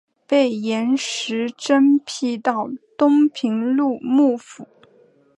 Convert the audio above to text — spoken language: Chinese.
被严实征辟到东平路幕府。